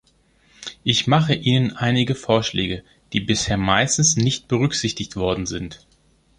Ich mache Ihnen einige Vorschläge, die bisher meistens nicht berücksichtigt worden sind.